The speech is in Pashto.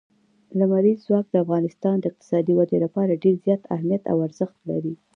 لمریز ځواک د افغانستان د اقتصادي ودې لپاره ډېر زیات اهمیت او ارزښت لري.